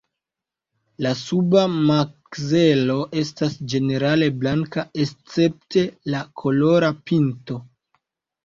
La suba makzelo estas ĝenerale blanka escepte la kolora pinto.